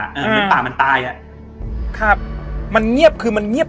เหมือนป่ามันตายอ่ะครับมันเงียบคือมันเงียบ